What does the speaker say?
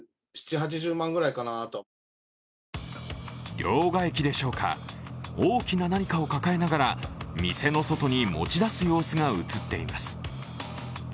両替機でしょうか大きな何かを抱えながら店の外に持ち出す様子が映っています。